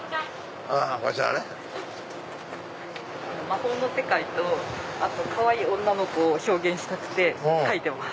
魔法の世界とかわいい女の子を表現したくて描いてます。